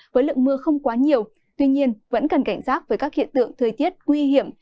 với lượng mưa không quá nhiều tuy nhiên vẫn cần cảnh giác với các hiện tượng thời tiết nguy hiểm